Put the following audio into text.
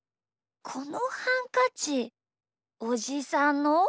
このハンカチおじさんの？